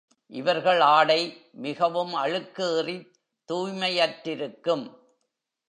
இவர்கள் ஆடை மிகவும் அழுக்கேறித் தூய்மையற்றிருக்கும்.